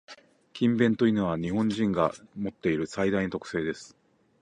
「勤勉」というのは、日本人が持っている最大の特性です。